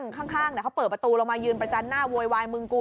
ข้างเขาเปิดประตูลงมายืนประจันหน้าโวยวายมึงกู